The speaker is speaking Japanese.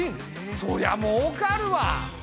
そりゃもうかるわ。